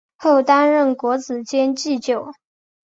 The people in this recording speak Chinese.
后担任国子监祭酒。